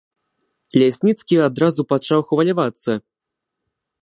Лясніцкі адразу пачаў хвалявацца.